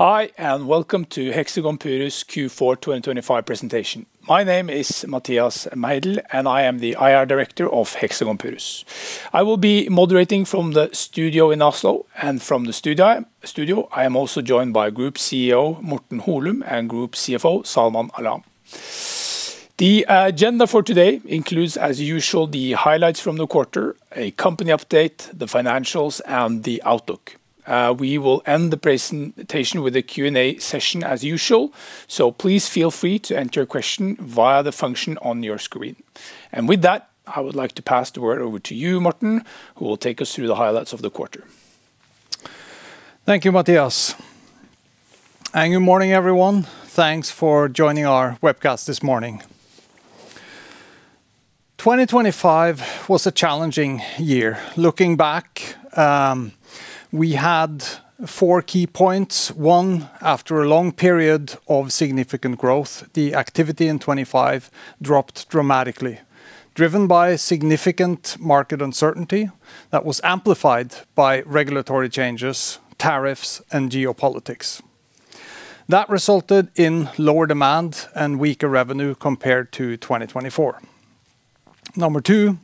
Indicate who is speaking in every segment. Speaker 1: Hi, and welcome to Hexagon Purus Q4 2025 presentation. My name is Mathias Meidell, and I am the IR Director of Hexagon Purus. I will be moderating from the studio in Oslo, and from the studio I am also joined by Group CEO Morten Holum and Group CFO Salman Alam. The agenda for today includes, as usual, the highlights from the quarter, a company update, the financials, and the outlook. We will end the presentation with a Q&A session as usual, so please feel free to enter a question via the function on your screen. With that, I would like to pass the word over to you, Morten, who will take us through the highlights of the quarter.
Speaker 2: Thank you, Mathias. Good morning, everyone. Thanks for joining our webcast this morning. 2025 was a challenging year. Looking back, we had four key points. One, after a long period of significant growth, the activity in 2025 dropped dramatically, driven by significant market uncertainty that was amplified by regulatory changes, tariffs, and geopolitics. That resulted in lower demand and weaker revenue compared to 2024. Number two,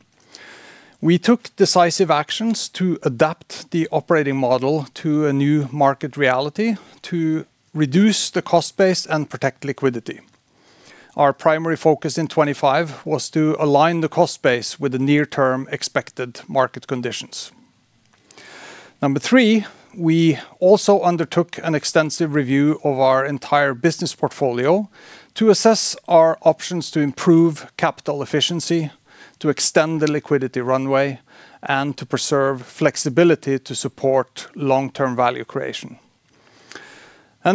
Speaker 2: we took decisive actions to adapt the operating model to a new market reality, to reduce the cost base and protect liquidity. Our primary focus in 2025 was to align the cost base with the near-term expected market conditions. Number three, we also undertook an extensive review of our entire business portfolio to assess our options to improve capital efficiency, to extend the liquidity runway, and to preserve flexibility to support long-term value creation.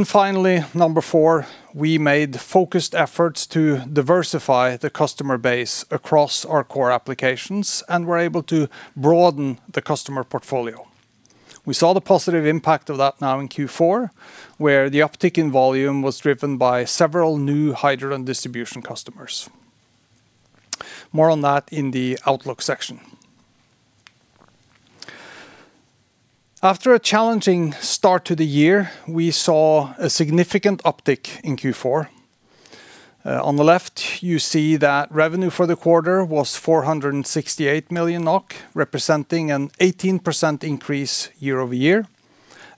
Speaker 2: Finally, number 4, we made focused efforts to diversify the customer base across our core applications and were able to broaden the customer portfolio. We saw the positive impact of that now in Q4, where the uptick in volume was driven by several new hydrogen distribution customers. More on that in the outlook section. After a challenging start to the year, we saw a significant uptick in Q4. On the left, you see that revenue for the quarter was 468 million NOK, representing an 18% increase year-over-year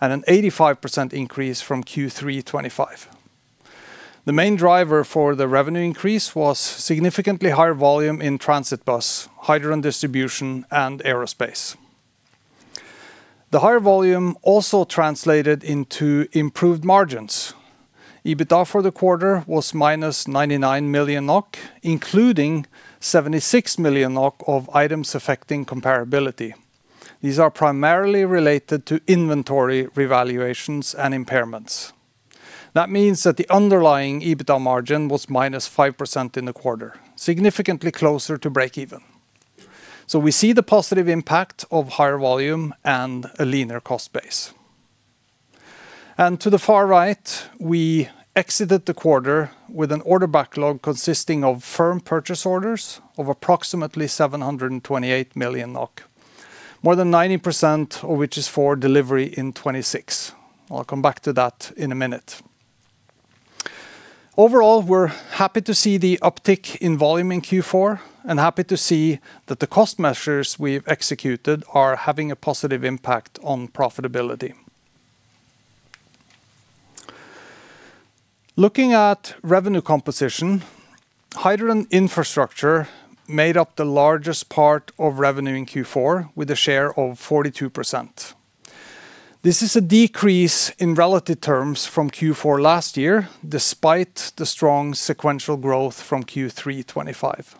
Speaker 2: and an 85% increase from Q3 2025. The main driver for the revenue increase was significantly higher volume in transit bus, hydrogen distribution, and aerospace. The higher volume also translated into improved margins. EBITDA for the quarter was -99 million NOK, including 76 million NOK of items affecting comparability. These are primarily related to inventory revaluations and impairments. That means that the underlying EBITDA margin was -5% in the quarter, significantly closer to break-even. So we see the positive impact of higher volume and a leaner cost base. To the far right, we exited the quarter with an order backlog consisting of firm purchase orders of approximately 728 million NOK, more than 90% of which is for delivery in 2026. I'll come back to that in a minute. Overall, we're happy to see the uptick in volume in Q4 and happy to see that the cost measures we've executed are having a positive impact on profitability. Looking at revenue composition, hydrogen infrastructure made up the largest part of revenue in Q4 with a share of 42%. This is a decrease in relative terms from Q4 last year, despite the strong sequential growth from Q3 2025.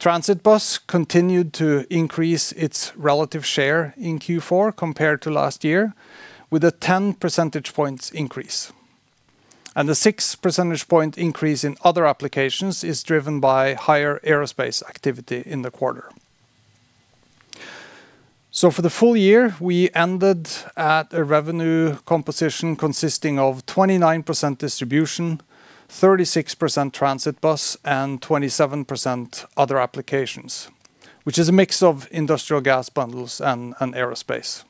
Speaker 2: Transit bus continued to increase its relative share in Q4 compared to last year, with a 10 percentage points increase. The 6 percentage point increase in other applications is driven by higher aerospace activity in the quarter. For the full year, we ended at a revenue composition consisting of 29% distribution, 36% transit bus, and 27% other applications, which is a mix of industrial gas bundles and aerospace.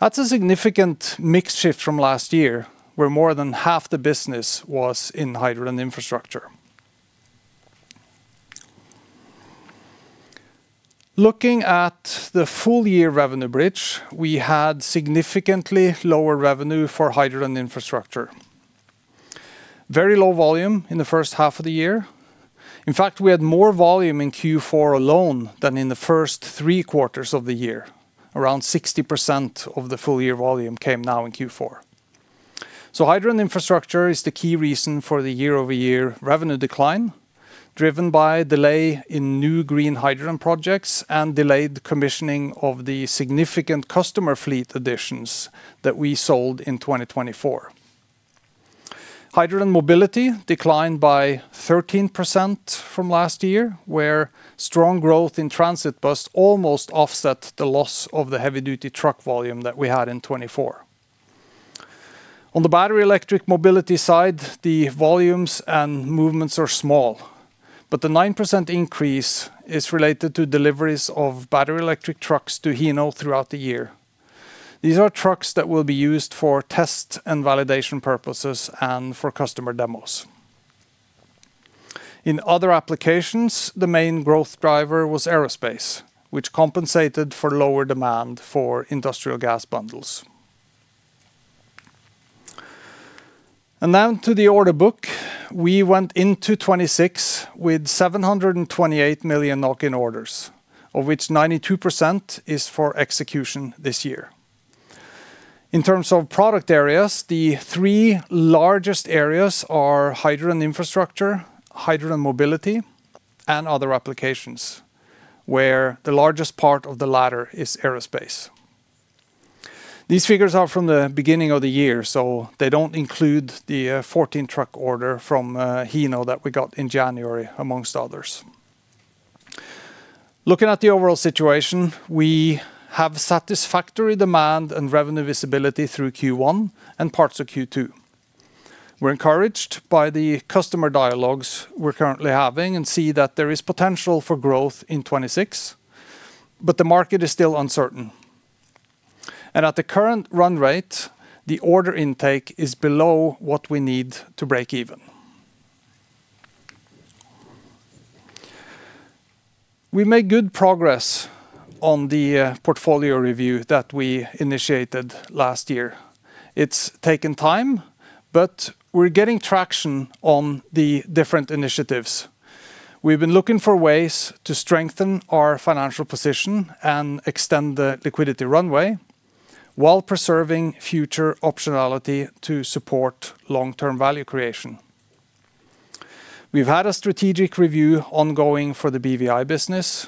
Speaker 2: That's a significant mixed shift from last year, where more than half the business was in hydrogen infrastructure. Looking at the full year revenue bridge, we had significantly lower revenue for hydrogen infrastructure, very low volume in the first half of the year. In fact, we had more volume in Q4 alone than in the first three quarters of the year. Around 60% of the full year volume came now in Q4. Hydrogen infrastructure is the key reason for the year-over-year revenue decline, driven by delay in new green hydrogen projects and delayed commissioning of the significant customer fleet additions that we sold in 2024. Hydrogen mobility declined by 13% from last year, where strong growth in transit bus almost offset the loss of the heavy-duty truck volume that we had in 2024. On the battery electric mobility side, the volumes and movements are small, but the 9% increase is related to deliveries of battery electric trucks to Hino throughout the year. These are trucks that will be used for test and validation purposes and for customer demos. In other applications, the main growth driver was aerospace, which compensated for lower demand for industrial gas bundles. Now to the order book. We went into 2026 with 728 million NOK in orders, of which 92% is for execution this year. In terms of product areas, the three largest areas are hydrogen infrastructure, hydrogen mobility, and other applications, where the largest part of the latter is aerospace. These figures are from the beginning of the year, so they don't include the 14 truck order from Hino that we got in January, among others. Looking at the overall situation, we have satisfactory demand and revenue visibility through Q1 and parts of Q2. We're encouraged by the customer dialogues we're currently having and see that there is potential for growth in 2026, but the market is still uncertain. And at the current run rate, the order intake is below what we need to break even. We made good progress on the portfolio review that we initiated last year. It's taken time, but we're getting traction on the different initiatives. We've been looking for ways to strengthen our financial position and extend the liquidity runway while preserving future optionality to support long-term value creation. We've had a strategic review ongoing for the BVI business.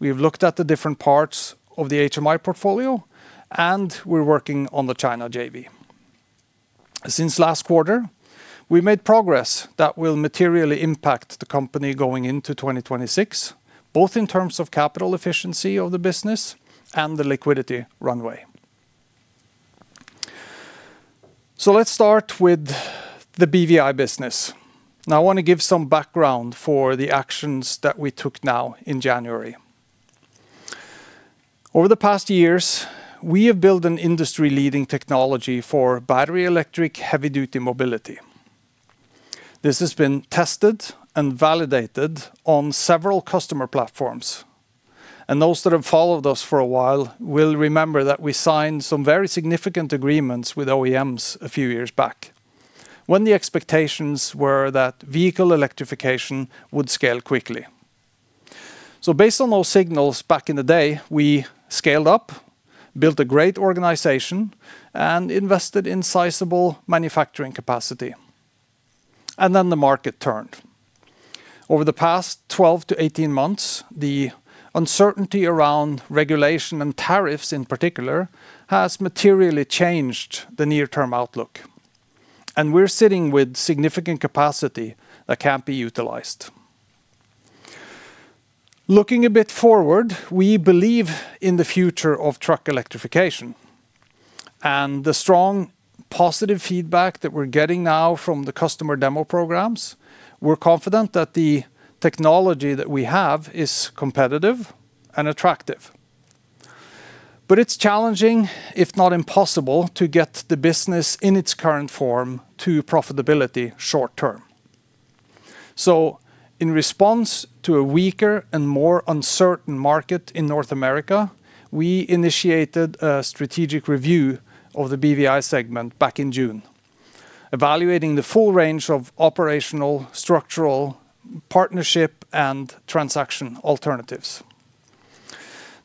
Speaker 2: We've looked at the different parts of the HMI portfolio, and we're working on the China JV. Since last quarter, we made progress that will materially impact the company going into 2026, both in terms of capital efficiency of the business and the liquidity runway. So let's start with the BVI business. Now I want to give some background for the actions that we took now in January. Over the past years, we have built an industry-leading technology for battery electric heavy-duty mobility. This has been tested and validated on several customer platforms. Those that have followed us for a while will remember that we signed some very significant agreements with OEMs a few years back when the expectations were that vehicle electrification would scale quickly. Based on those signals back in the day, we scaled up, built a great organization, and invested in sizable manufacturing capacity. Then the market turned. Over the past 12-18 months, the uncertainty around regulation and tariffs in particular has materially changed the near-term outlook, and we're sitting with significant capacity that can't be utilized. Looking a bit forward, we believe in the future of truck electrification, and the strong positive feedback that we're getting now from the customer demo programs, we're confident that the technology that we have is competitive and attractive. It's challenging, if not impossible, to get the business in its current form to profitability short term. So in response to a weaker and more uncertain market in North America, we initiated a strategic review of the BVI segment back in June, evaluating the full range of operational, structural, partnership, and transaction alternatives.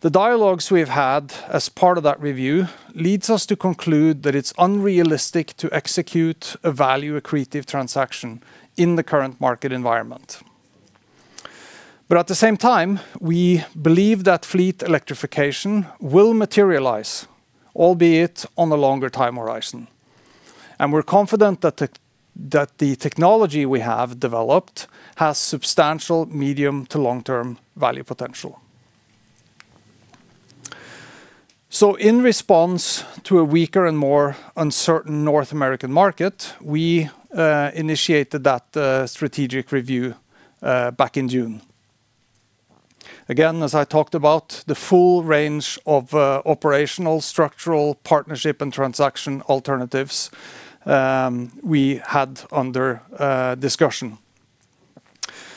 Speaker 2: The dialogues we've had as part of that review lead us to conclude that it's unrealistic to execute a value accretive transaction in the current market environment. But at the same time, we believe that fleet electrification will materialize, albeit on a longer time horizon. And we're confident that the technology we have developed has substantial medium to long-term value potential. So in response to a weaker and more uncertain North American market, we initiated that strategic review back in June. Again, as I talked about, the full range of operational, structural, partnership, and transaction alternatives we had under discussion.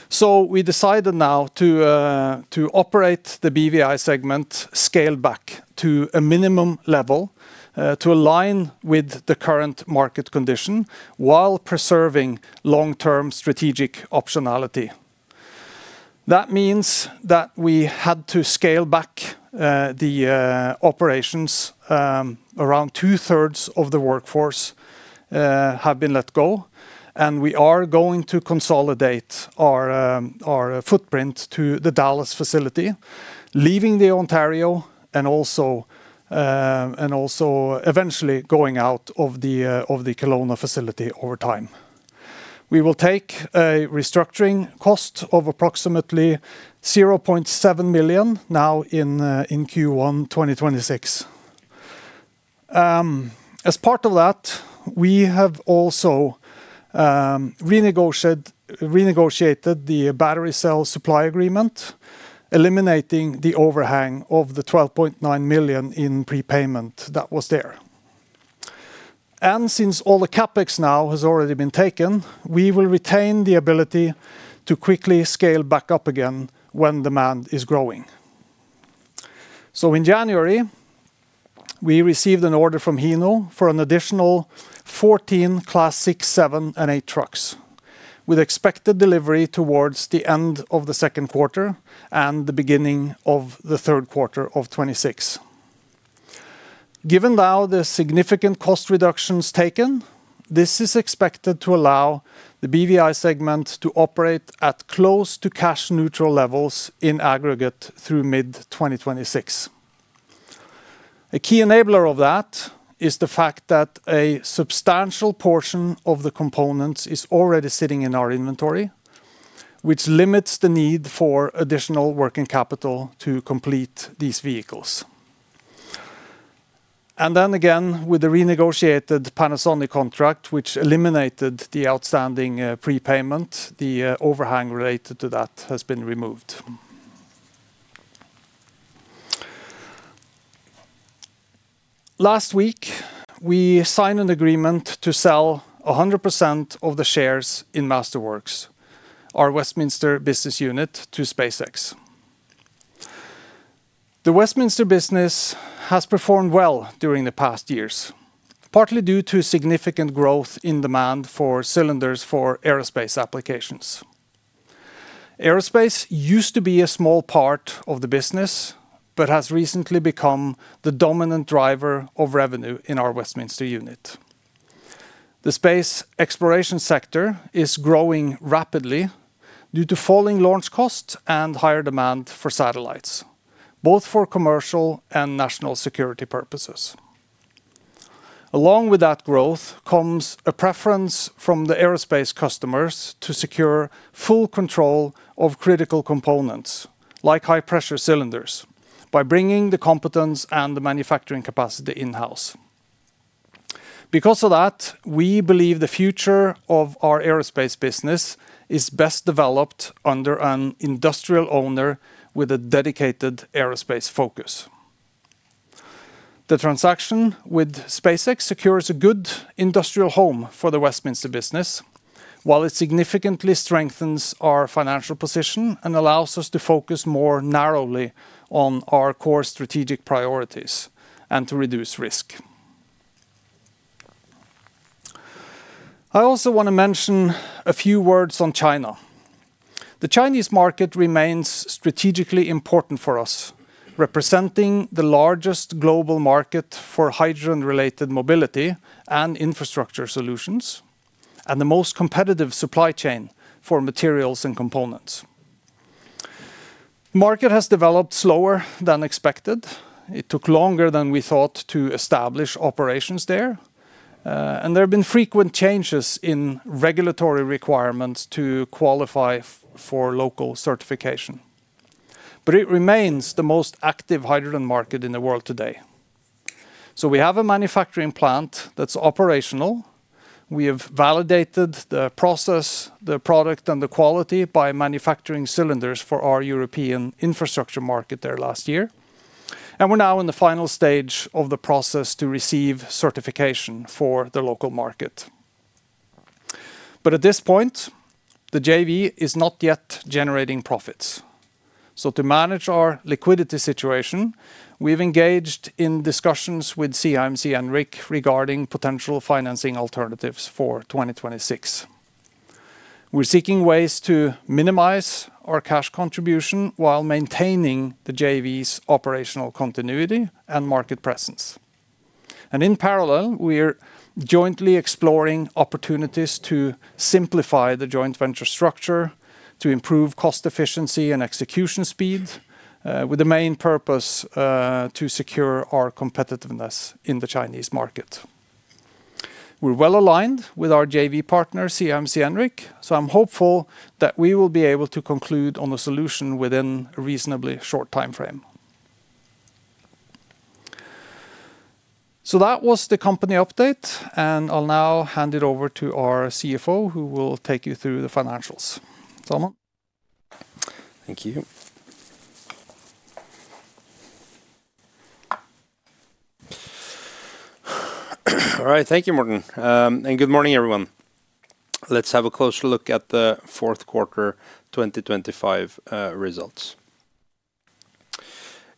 Speaker 2: So we decided now to operate the BVI segment scaled back to a minimum level, to align with the current market condition while preserving long-term strategic optionality. That means that we had to scale back the operations. Around 2/3 of the workforce have been let go, and we are going to consolidate our footprint to the Dallas facility, leaving the Ontario and also eventually going out of the Kelowna facility over time. We will take a restructuring cost of approximately 0.7 million now in Q1 2026. As part of that, we have also renegotiated the battery cell supply agreement, eliminating the overhang of the 12.9 million in prepayment that was there. And since all the CapEx now has already been taken, we will retain the ability to quickly scale back up again when demand is growing. So in January, we received an order from Hino for an additional 14 Class 6, 7, and 8 trucks with expected delivery towards the end of the second quarter and the beginning of the third quarter of 2026. Given now the significant cost reductions taken, this is expected to allow the BVI segment to operate at close to cash-neutral levels in aggregate through mid-2026. A key enabler of that is the fact that a substantial portion of the components is already sitting in our inventory, which limits the need for additional working capital to complete these vehicles. And then again, with the renegotiated Panasonic contract, which eliminated the outstanding prepayment, the overhang related to that has been removed. Last week, we signed an agreement to sell 100% of the shares in Master Works, our Westminster business unit, to SpaceX. The Westminster business has performed well during the past years, partly due to significant growth in demand for cylinders for aerospace applications. Aerospace used to be a small part of the business but has recently become the dominant driver of revenue in our Westminster unit. The space exploration sector is growing rapidly due to falling launch costs and higher demand for satellites, both for commercial and national security purposes. Along with that growth comes a preference from the aerospace customers to secure full control of critical components like high-pressure cylinders by bringing the competence and the manufacturing capacity in-house. Because of that, we believe the future of our aerospace business is best developed under an industrial owner with a dedicated aerospace focus. The transaction with SpaceX secures a good industrial home for the Westminster business while it significantly strengthens our financial position and allows us to focus more narrowly on our core strategic priorities and to reduce risk. I also want to mention a few words on China. The Chinese market remains strategically important for us, representing the largest global market for hydrogen-related mobility and infrastructure solutions and the most competitive supply chain for materials and components. The market has developed slower than expected. It took longer than we thought to establish operations there, and there have been frequent changes in regulatory requirements to qualify for local certification. But it remains the most active hydrogen market in the world today. So we have a manufacturing plant that's operational. We have validated the process, the product, and the quality by manufacturing cylinders for our European infrastructure market there last year, and we're now in the final stage of the process to receive certification for the local market. At this point, the JV is not yet generating profits. To manage our liquidity situation, we've engaged in discussions with CIMC Enric regarding potential financing alternatives for 2026. We're seeking ways to minimize our cash contribution while maintaining the JV's operational continuity and market presence. In parallel, we're jointly exploring opportunities to simplify the joint venture structure to improve cost efficiency and execution speed, with the main purpose to secure our competitiveness in the Chinese market. We're well aligned with our JV partner, CIMC Enric, so I'm hopeful that we will be able to conclude on a solution within a reasonably short time frame. So that was the company update, and I'll now hand it over to our CFO, who will take you through the financials. Salman?
Speaker 3: Thank you. All right. Thank you, Morten. And good morning, everyone. Let's have a closer look at the fourth quarter 2025 results.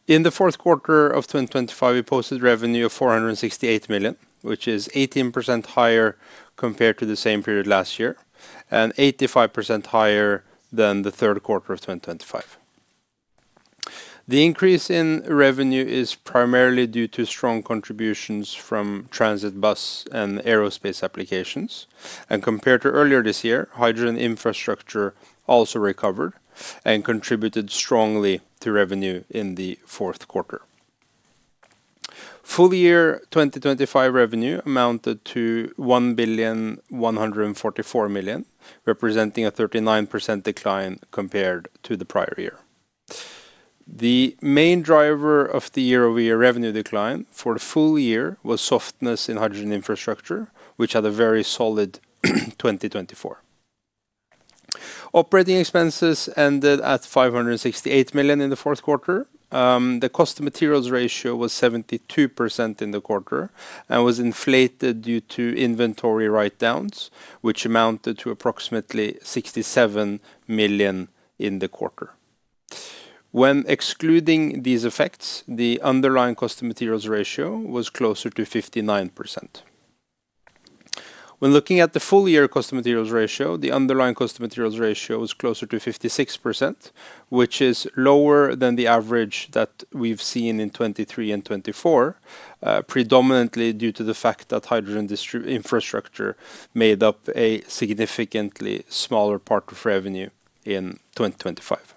Speaker 3: In the fourth quarter of 2025, we posted revenue of 468 million, which is 18% higher compared to the same period last year and 85% higher than the third quarter of 2025. The increase in revenue is primarily due to strong contributions from transit bus and aerospace applications. And compared to earlier this year, hydrogen infrastructure also recovered and contributed strongly to revenue in the fourth quarter. Full year 2025 revenue amounted to 1,144 million, representing a 39% decline compared to the prior year. The main driver of the year-over-year revenue decline for the full year was softness in hydrogen infrastructure, which had a very solid 2024. Operating expenses ended at 568 million in the fourth quarter. The cost-to-materials ratio was 72% in the quarter and was inflated due to inventory write-downs, which amounted to approximately 67 million in the quarter. When excluding these effects, the underlying cost-to-materials ratio was closer to 59%. When looking at the full year cost-to-materials ratio, the underlying cost-to-materials ratio was closer to 56%, which is lower than the average that we've seen in 2023 and 2024, predominantly due to the fact that hydrogen distribution infrastructure made up a significantly smaller part of revenue in 2025.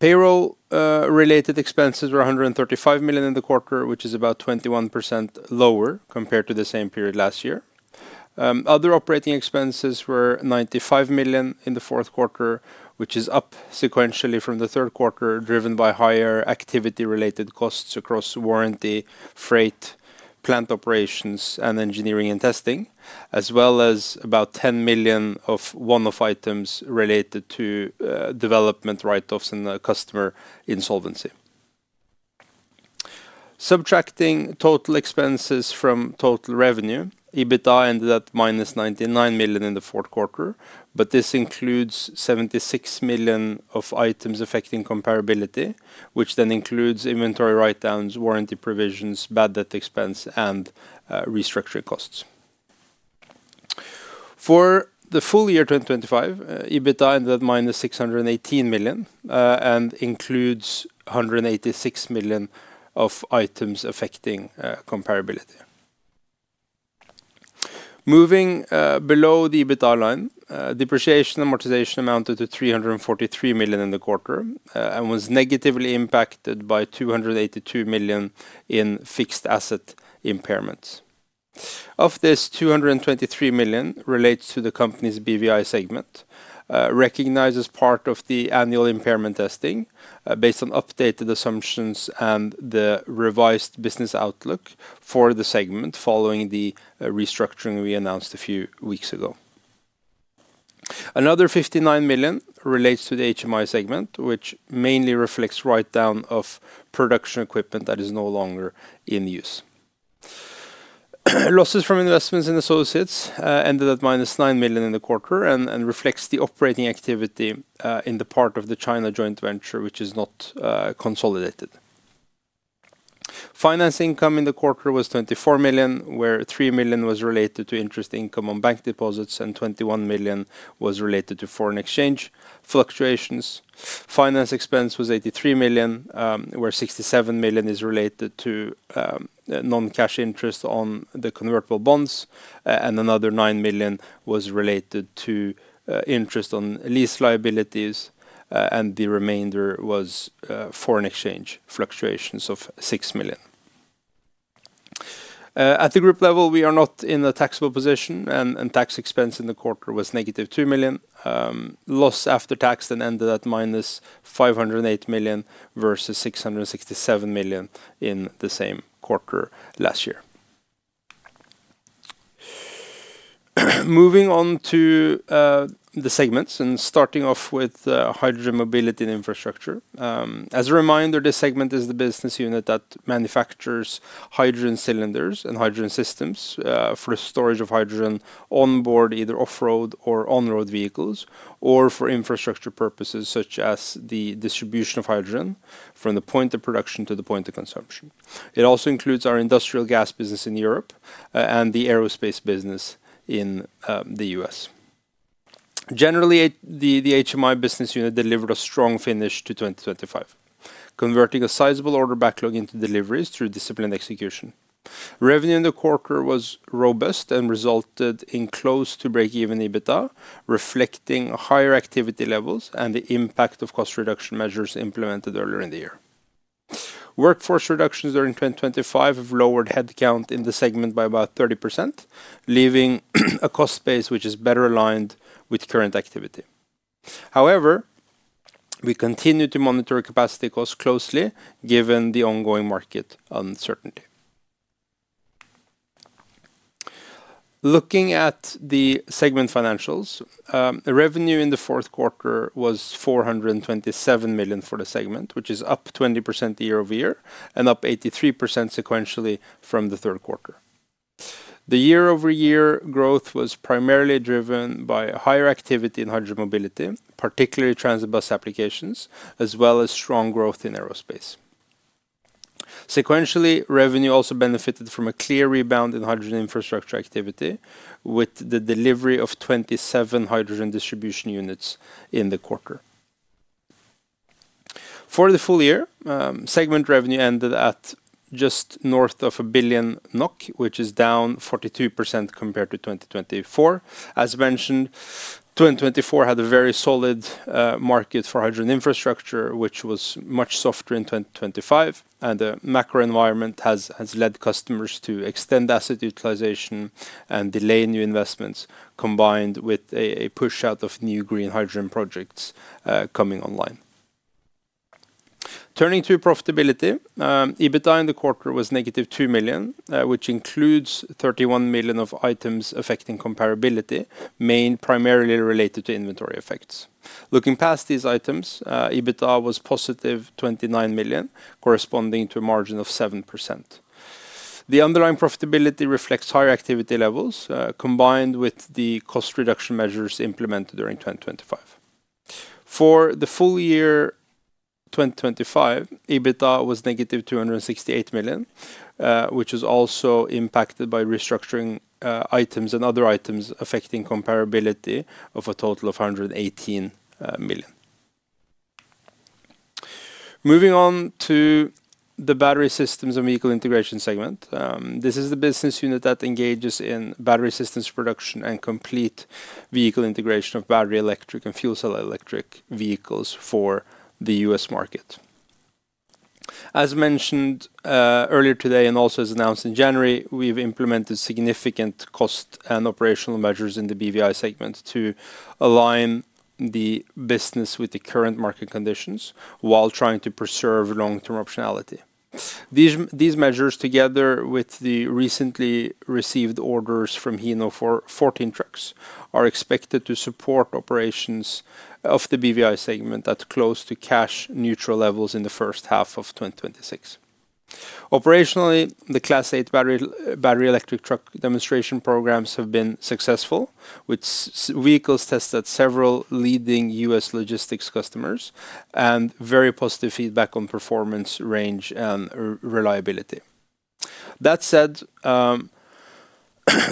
Speaker 3: Payroll-related expenses were 135 million in the quarter, which is about 21% lower compared to the same period last year. Other operating expenses were 95 million in the fourth quarter, which is up sequentially from the third quarter, driven by higher activity-related costs across warranty, freight, plant operations, and engineering and testing, as well as about 10 million of one-off items related to development write-offs and customer insolvency. Subtracting total expenses from total revenue, EBITDA ended at minus 99 million in the fourth quarter, but this includes 76 million of items affecting comparability, which then includes inventory write-downs, warranty provisions, bad debt expense, and restructuring costs. For the full year 2025, EBITDA ended at minus 618 million, and includes 186 million of items affecting comparability. Moving below the EBITDA line, depreciation amortization amounted to 343 million in the quarter, and was negatively impacted by 282 million in fixed asset impairments. Of this, 223 million relates to the company's BVI segment, recognized as part of the annual impairment testing, based on updated assumptions and the revised business outlook for the segment following the restructuring we announced a few weeks ago. Another 59 million relates to the HMI segment, which mainly reflects write-down of production equipment that is no longer in use. Losses from investments in associates ended at -9 million in the quarter and reflects the operating activity in the part of the China joint venture, which is not consolidated. Finance income in the quarter was 24 million, where 3 million was related to interest income on bank deposits, and 21 million was related to foreign exchange fluctuations. Finance expense was 83 million, where 67 million is related to non-cash interest on the convertible bonds, and another 9 million was related to interest on lease liabilities, and the remainder was foreign exchange fluctuations of 6 million. At the group level, we are not in a taxable position, and tax expense in the quarter was -2 million. Loss after tax then ended at -508 million versus 667 million in the same quarter last year. Moving on to the segments and starting off with hydrogen mobility and infrastructure. As a reminder, this segment is the business unit that manufactures hydrogen cylinders and hydrogen systems for the storage of hydrogen onboard, either off-road or on-road vehicles, or for infrastructure purposes such as the distribution of hydrogen from the point of production to the point of consumption. It also includes our industrial gas business in Europe, and the aerospace business in the US. Generally, the HMI business unit delivered a strong finish to 2025, converting a sizable order backlog into deliveries through disciplined execution. Revenue in the quarter was robust and resulted in close to break-even EBITDA, reflecting higher activity levels and the impact of cost reduction measures implemented earlier in the year. Workforce reductions during 2025 have lowered headcount in the segment by about 30%, leaving a cost base which is better aligned with current activity. However, we continue to monitor capacity costs closely given the ongoing market uncertainty. Looking at the segment financials, revenue in the fourth quarter was 427 million for the segment, which is up 20% year-over-year and up 83% sequentially from the third quarter. The year-over-year growth was primarily driven by higher activity in hydrogen mobility, particularly transit bus applications, as well as strong growth in aerospace. Sequentially, revenue also benefited from a clear rebound in hydrogen infrastructure activity with the delivery of 27 hydrogen distribution units in the quarter. For the full year, segment revenue ended at just north of 1 billion NOK, which is down 42% compared to 2024. As mentioned, 2024 had a very solid market for hydrogen infrastructure, which was much softer in 2025, and the macro environment has led customers to extend asset utilization and delay new investments, combined with a push out of new green hydrogen projects coming online. Turning to profitability, EBITDA in the quarter was -2 million, which includes 31 million of items affecting comparability, mainly primarily related to inventory effects. Looking past these items, EBITDA was 29 million, corresponding to a margin of 7%. The underlying profitability reflects higher activity levels, combined with the cost reduction measures implemented during 2025. For the full year 2025, EBITDA was -268 million, which is also impacted by restructuring items and other items affecting comparability of a total of 118 million. Moving on to the Battery Systems and Vehicle Integration segment. This is the business unit that engages in battery systems production and complete vehicle integration of battery electric and fuel cell electric vehicles for the U.S. market. As mentioned earlier today and also as announced in January, we've implemented significant cost and operational measures in the BVI segment to align the business with the current market conditions while trying to preserve long-term optionality. These measures, together with the recently received orders from Hino for 14 trucks, are expected to support operations of the BVI segment at close to cash-neutral levels in the first half of 2026. Operationally, the Class 8 battery electric truck demonstration programs have been successful, with six vehicles tested at several leading U.S. logistics customers and very positive feedback on performance, range, and reliability. That said,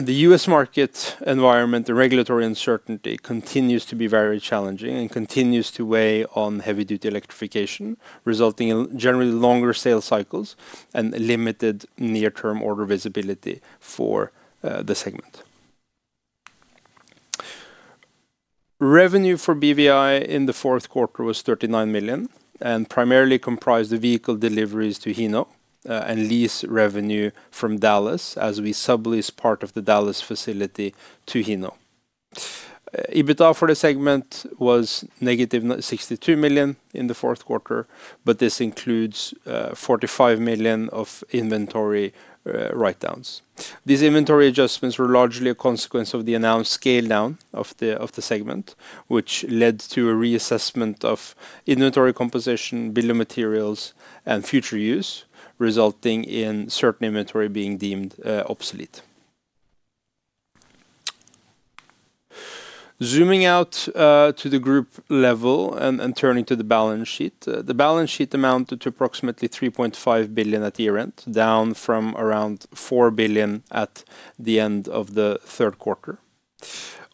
Speaker 3: the U.S. market environment, the regulatory uncertainty, continues to be very challenging and continues to weigh on heavy-duty electrification, resulting in generally longer sales cycles and limited near-term order visibility for the segment. Revenue for BVI in the fourth quarter was 39 million and primarily comprised of vehicle deliveries to Hino, and lease revenue from Dallas, as we sublease part of the Dallas facility to Hino. EBITDA for the segment was -62 million in the fourth quarter, but this includes 45 million of inventory write-downs. These inventory adjustments were largely a consequence of the announced scale-down of the segment, which led to a reassessment of inventory composition, bill of materials, and future use, resulting in certain inventory being deemed obsolete. Zooming out to the group level and turning to the balance sheet, the balance sheet amounted to approximately 3.5 billion at year-end, down from around 4 billion at the end of the third quarter.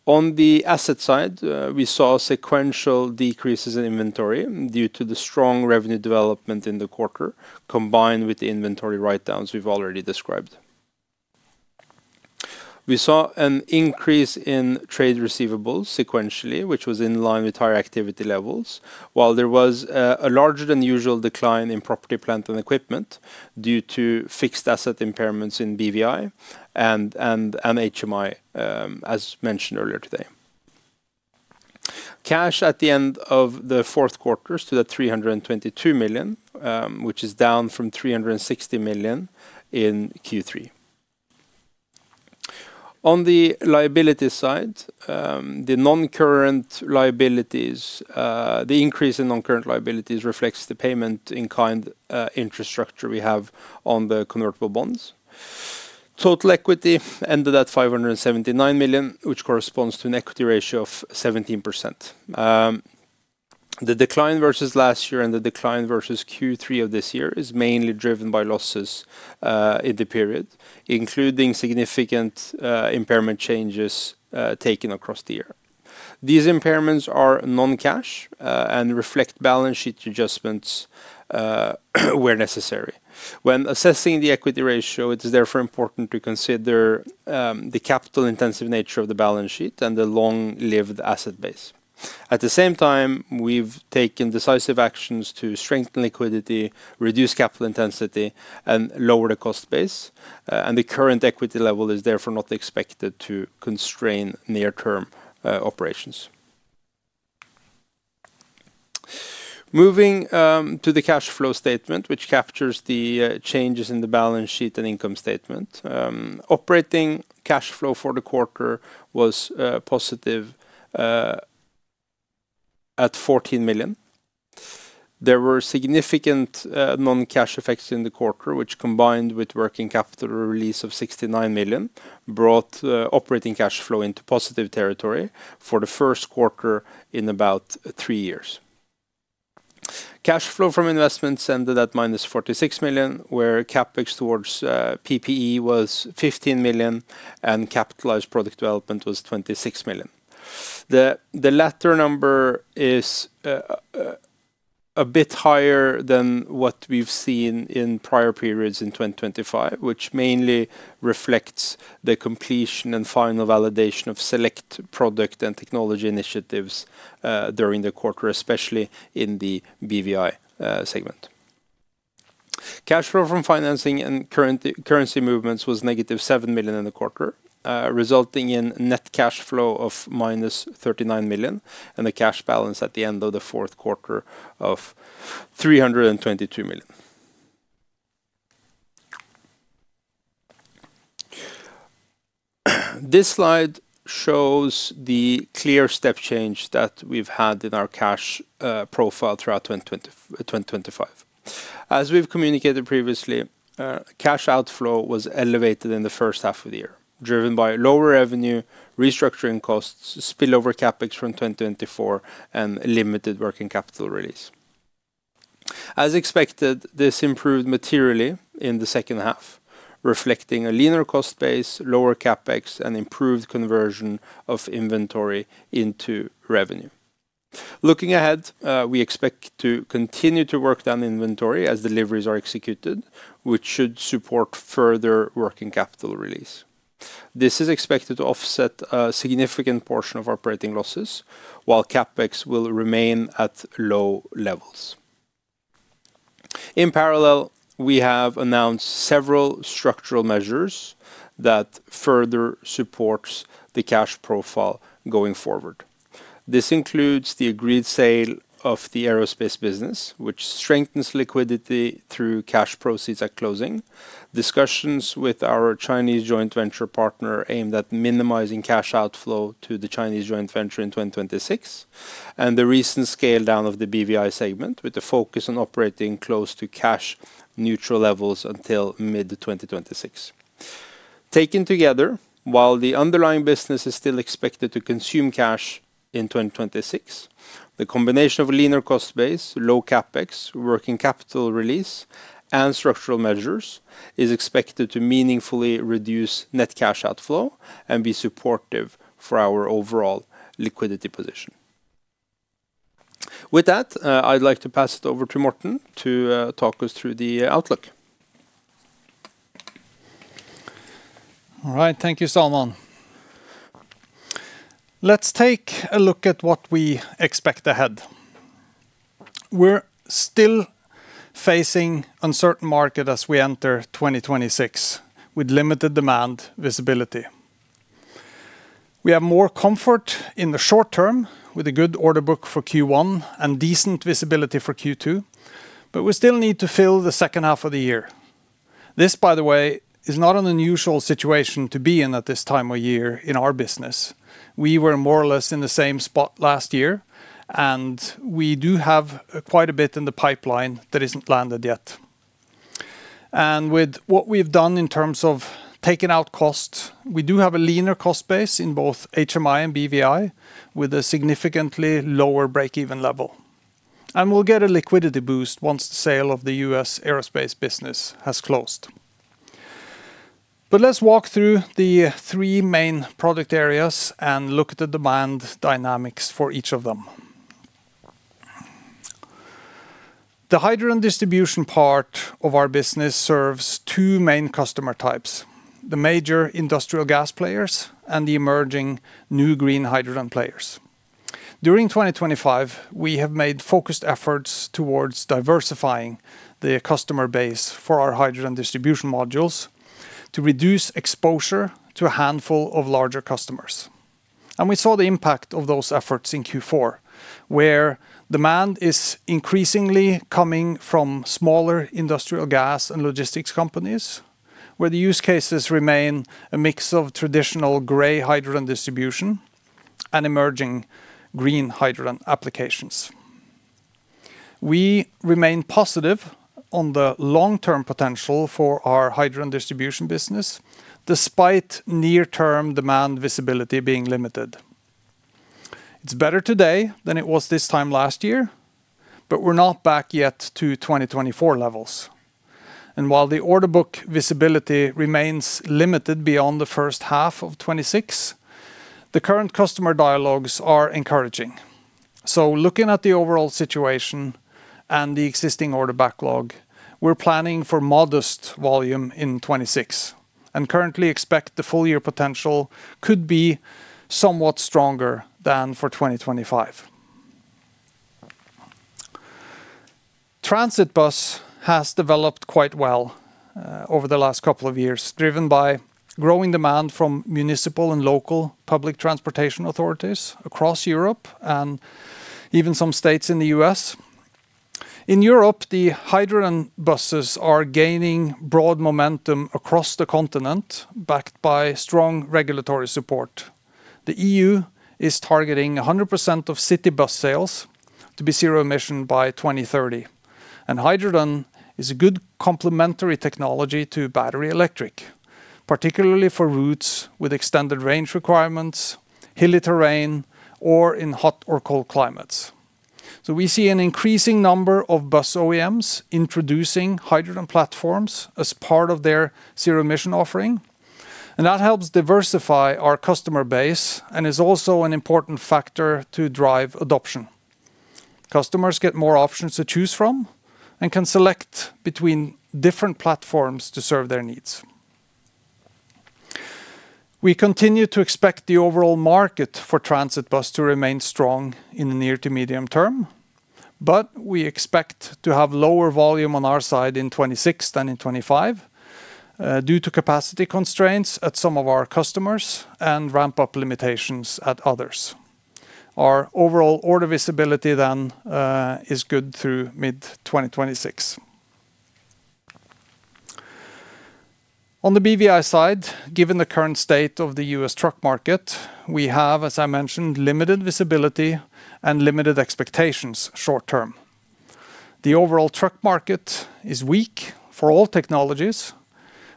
Speaker 3: On the asset side, we saw sequential decreases in inventory due to the strong revenue development in the quarter, combined with the inventory write-downs we've already described. We saw an increase in trade receivables sequentially, which was in line with higher activity levels, while there was a larger than usual decline in property, plant, and equipment due to fixed asset impairments in BVI and HMI, as mentioned earlier today. Cash at the end of the fourth quarter stood at 322 million, which is down from 360 million in Q3. On the liability side, the non-current liabilities, the increase in non-current liabilities reflects the payment-in-kind interest we have on the convertible bonds. Total equity ended at 579 million, which corresponds to an equity ratio of 17%. The decline versus last year and the decline versus Q3 of this year is mainly driven by losses in the period, including significant impairment charges taken across the year. These impairments are non-cash, and reflect balance sheet adjustments where necessary. When assessing the equity ratio, it is therefore important to consider the capital-intensive nature of the balance sheet and the long-lived asset base. At the same time, we've taken decisive actions to strengthen liquidity, reduce capital intensity, and lower the cost base, and the current equity level is therefore not expected to constrain near-term operations. Moving to the cash flow statement, which captures the changes in the balance sheet and income statement. Operating cash flow for the quarter was positive at 14 million. There were significant non-cash effects in the quarter, which combined with Working Capital release of 69 million, brought operating cash flow into positive territory for the first quarter in about three years. Cash flow from investments ended at -46 million, where CapEx towards PPE was 15 million and capitalized product development was 26 million. The latter number is a bit higher than what we've seen in prior periods in 2025, which mainly reflects the completion and final validation of select product and technology initiatives during the quarter, especially in the BVI segment. Cash flow from financing and currency movements was -7 million in the quarter, resulting in net cash flow of -39 million and a cash balance at the end of the fourth quarter of 322 million. This slide shows the clear step change that we've had in our cash profile throughout 2025. As we've communicated previously, cash outflow was elevated in the first half of the year, driven by lower revenue, restructuring costs, spillover CapEx from 2024, and limited working capital release. As expected, this improved materially in the second half, reflecting a leaner cost base, lower CapEx, and improved conversion of inventory into revenue. Looking ahead, we expect to continue to work down inventory as deliveries are executed, which should support further working capital release. This is expected to offset a significant portion of operating losses, while CapEx will remain at low levels. In parallel, we have announced several structural measures that further support the cash profile going forward. This includes the agreed sale of the aerospace business, which strengthens liquidity through cash proceeds at closing, discussions with our Chinese joint venture partner aimed at minimizing cash outflow to the Chinese joint venture in 2026, and the recent scale-down of the BVI segment with a focus on operating close to cash-neutral levels until mid-2026. Taken together, while the underlying business is still expected to consume cash in 2026, the combination of a leaner cost base, low Capex, working capital release, and structural measures is expected to meaningfully reduce net cash outflow and be supportive for our overall liquidity position. With that, I'd like to pass it over to Morten to talk us through the outlook.
Speaker 2: All right. Thank you, Salman. Let's take a look at what we expect ahead. We're still facing uncertain market as we enter 2026 with limited demand visibility. We have more comfort in the short term with a good order book for Q1 and decent visibility for Q2, but we still need to fill the second half of the year. This, by the way, is not an unusual situation to be in at this time of year in our business. We were more or less in the same spot last year, and we do have quite a bit in the pipeline that isn't landed yet. And with what we've done in terms of taking out costs, we do have a leaner cost base in both HMI and BVI with a significantly lower break-even level. And we'll get a liquidity boost once the sale of the US aerospace business has closed. But let's walk through the three main product areas and look at the demand dynamics for each of them. The hydrogen distribution part of our business serves two main customer types: the major industrial gas players and the emerging new green hydrogen players. During 2025, we have made focused efforts towards diversifying the customer base for our hydrogen distribution modules to reduce exposure to a handful of larger customers. We saw the impact of those efforts in Q4, where demand is increasingly coming from smaller industrial gas and logistics companies, where the use cases remain a mix of traditional gray hydrogen distribution and emerging green hydrogen applications. We remain positive on the long-term potential for our hydrogen distribution business despite near-term demand visibility being limited. It's better today than it was this time last year, but we're not back yet to 2024 levels. And while the order book visibility remains limited beyond the first half of 2026, the current customer dialogues are encouraging. So looking at the overall situation and the existing order backlog, we're planning for modest volume in 2026 and currently expect the full-year potential could be somewhat stronger than for 2025. Transit bus has developed quite well, over the last couple of years, driven by growing demand from municipal and local public transportation authorities across Europe and even some states in the U.S. In Europe, the hydrogen buses are gaining broad momentum across the continent, backed by strong regulatory support. The EU is targeting 100% of city bus sales to be zero-emission by 2030, and hydrogen is a good complementary technology to battery electric, particularly for routes with extended range requirements, hilly terrain, or in hot or cold climates. So we see an increasing number of bus OEMs introducing hydrogen platforms as part of their zero-emission offering, and that helps diversify our customer base and is also an important factor to drive adoption. Customers get more options to choose from and can select between different platforms to serve their needs. We continue to expect the overall market for transit bus to remain strong in the near to medium term, but we expect to have lower volume on our side in 2026 than in 2025, due to capacity constraints at some of our customers and ramp-up limitations at others. Our overall order visibility, then, is good through mid-2026. On the BVI side, given the current state of the U.S. truck market, we have, as I mentioned, limited visibility and limited expectations short term. The overall truck market is weak for all technologies,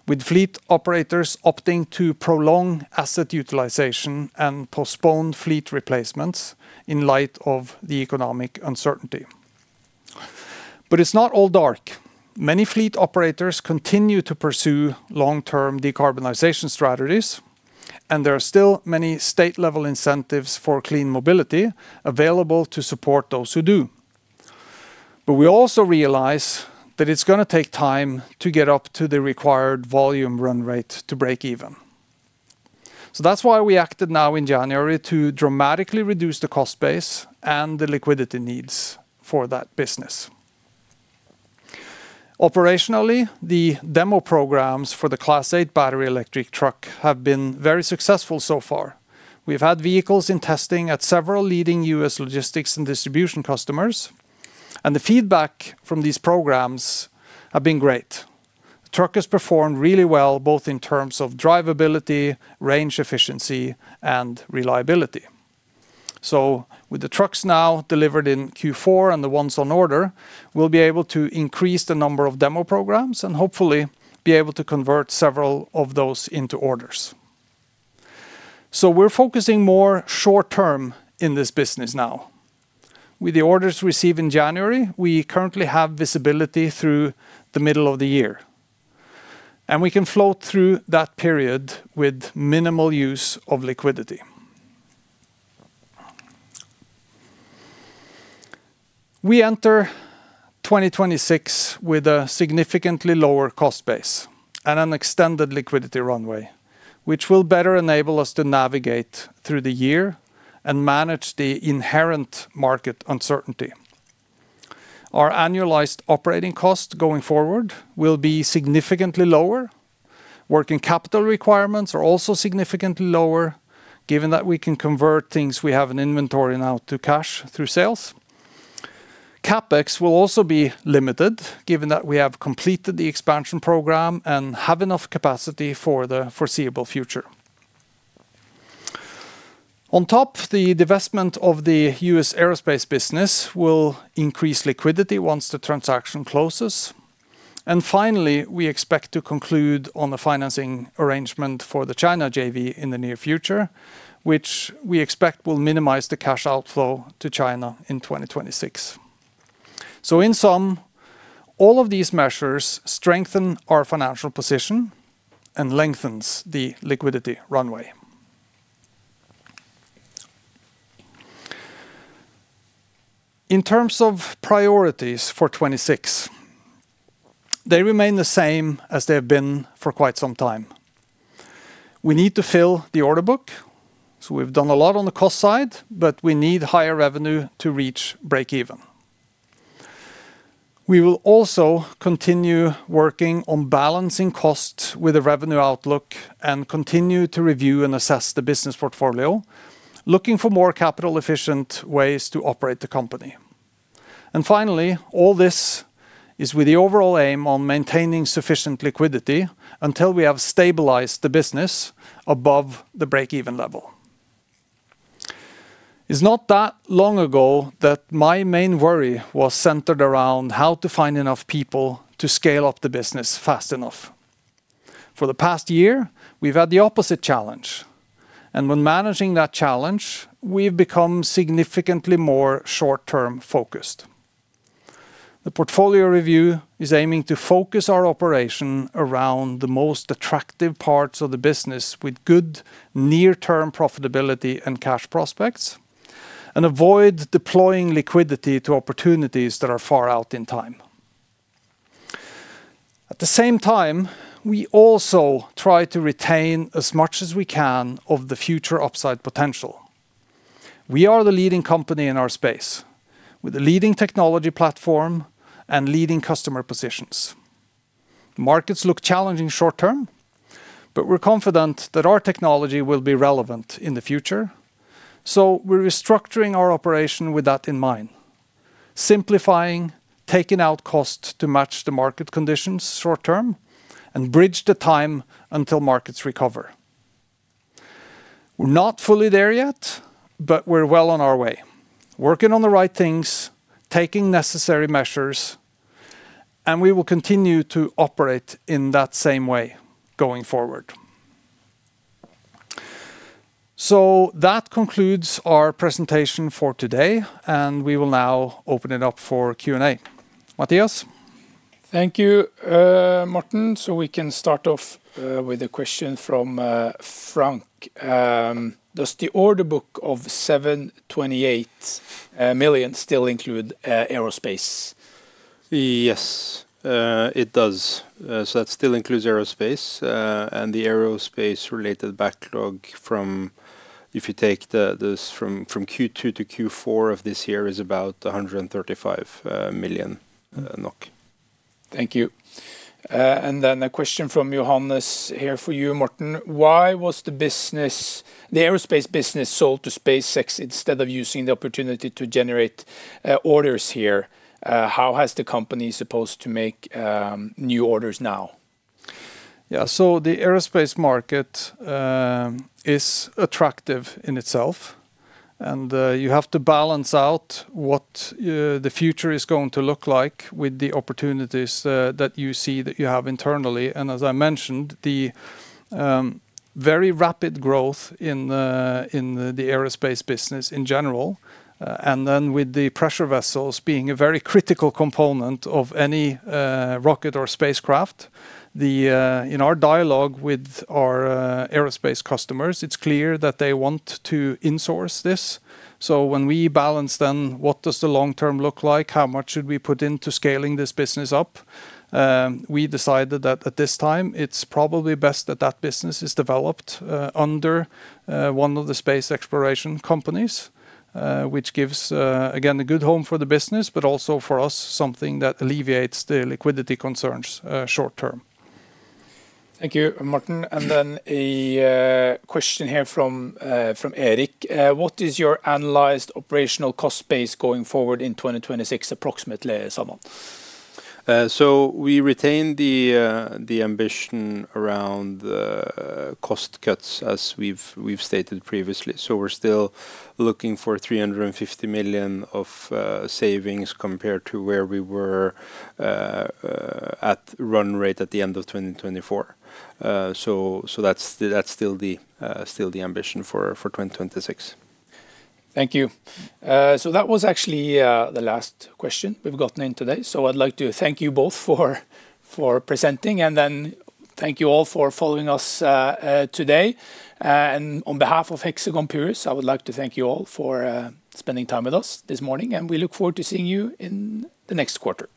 Speaker 2: with fleet operators opting to prolong asset utilization and postpone fleet replacements in light of the economic uncertainty. But it's not all dark. Many fleet operators continue to pursue long-term decarbonization strategies, and there are still many state-level incentives for clean mobility available to support those who do. But we also realize that it's going to take time to get up to the required volume run rate to break even. So that's why we acted now in January to dramatically reduce the cost base and the liquidity needs for that business. Operationally, the demo programs for the Class 8 Battery Electric truck have been very successful so far. We've had vehicles in testing at several leading U.S. logistics and distribution customers, and the feedback from these programs has been great. The truck has performed really well both in terms of drivability, range efficiency, and reliability. So with the trucks now delivered in Q4 and the ones on order, we'll be able to increase the number of demo programs and hopefully be able to convert several of those into orders. So we're focusing more short term in this business now. With the orders received in January, we currently have visibility through the middle of the year, and we can float through that period with minimal use of liquidity. We enter 2026 with a significantly lower cost base and an extended liquidity runway, which will better enable us to navigate through the year and manage the inherent market uncertainty. Our annualized operating costs going forward will be significantly lower. Working capital requirements are also significantly lower, given that we can convert things we have in inventory now to cash through sales. CapEx will also be limited, given that we have completed the expansion program and have enough capacity for the foreseeable future. On top, the divestment of the U.S. aerospace business will increase liquidity once the transaction closes. Finally, we expect to conclude on the financing arrangement for the China JV in the near future, which we expect will minimize the cash outflow to China in 2026. So in sum, all of these measures strengthen our financial position and lengthen the liquidity runway. In terms of priorities for 2026, they remain the same as they have been for quite some time. We need to fill the order book. So we've done a lot on the cost side, but we need higher revenue to reach break even. We will also continue working on balancing costs with the revenue outlook and continue to review and assess the business portfolio, looking for more capital-efficient ways to operate the company. Finally, all this is with the overall aim on maintaining sufficient liquidity until we have stabilized the business above the break-even level. It's not that long ago that my main worry was centered around how to find enough people to scale up the business fast enough. For the past year, we've had the opposite challenge. When managing that challenge, we've become significantly more short-term focused. The portfolio review is aiming to focus our operation around the most attractive parts of the business with good near-term profitability and cash prospects and avoid deploying liquidity to opportunities that are far out in time. At the same time, we also try to retain as much as we can of the future upside potential. We are the leading company in our space with the leading technology platform and leading customer positions. Markets look challenging short term, but we're confident that our technology will be relevant in the future. So we're restructuring our operation with that in mind, simplifying, taking out costs to match the market conditions short term and bridge the time until markets recover. We're not fully there yet, but we're well on our way, working on the right things, taking necessary measures, and we will continue to operate in that same way going forward. So that concludes our presentation for today, and we will now open it up for Q&A. Mathias?
Speaker 1: Thank you, Morten. So we can start off with a question from Frank. Does the order book of 728 million still include aerospace?
Speaker 3: Yes, it does. So that still includes aerospace, and the aerospace-related backlog, if you take this from Q2 to Q4 of this year, is about 135 million NOK. Thank you.
Speaker 1: And then a question from Johannes here for you, Morten. Why was the business the aerospace business sold to SpaceX instead of using the opportunity to generate orders here? How is the company supposed to make new orders now?
Speaker 2: Yeah. So the aerospace market is attractive in itself. And you have to balance out what the future is going to look like with the opportunities that you see that you have internally. And as I mentioned, the very rapid growth in the aerospace business in general, and then with the pressure vessels being a very critical component of any rocket or spacecraft, in our dialogue with our aerospace customers, it's clear that they want to insource this. So when we balance then, what does the long term look like? How much should we put into scaling this business up? We decided that at this time, it's probably best that that business is developed under one of the space exploration companies, which gives, again, a good home for the business, but also for us, something that alleviates the liquidity concerns short term.
Speaker 1: Thank you, Morten. And then a question here from Erik. What is your analyzed operational cost base going forward in 2026, approximately, Salman?
Speaker 3: So we retain the ambition around cost cuts as we've stated previously. So we're still looking for 350 million of savings compared to where we were at run rate at the end of 2024. So that's still the ambition for 2026.
Speaker 1: Thank you. So that was actually the last question we've gotten in today. So I'd like to thank you both for presenting, and then thank you all for following us today. On behalf of Hexagon Purus, I would like to thank you all for spending time with us this morning, and we look forward to seeing you in the next quarter.